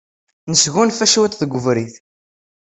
Nesgunfa cwiṭ deg webrid.